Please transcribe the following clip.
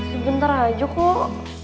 sebentar aja kok